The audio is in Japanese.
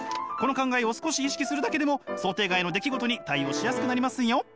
この考えを少し意識するだけでも想定外の出来事に対応しやすくなりますよ！